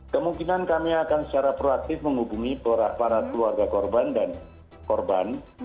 kemungkinan kami akan secara proaktif menghubungi para keluarga korban dan korban